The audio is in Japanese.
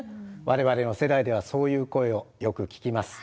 我々の世代ではそういう声をよく聞きます。